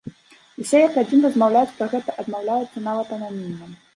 Усе як адзін размаўляць пра гэта адмаўляюцца нават ананімна.